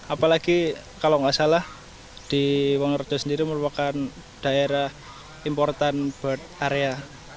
apalagi kalau nggak salah di wangoroto sendiri merupakan daerah important bird area